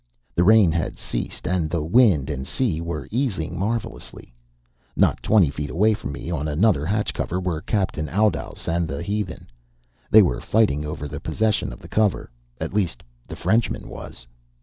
The rain had ceased, and wind and sea were easing marvelously. Not twenty feet away from me, on another hatch cover were Captain Oudouse and the heathen. They were fighting over the possession of the cover at least, the Frenchman was.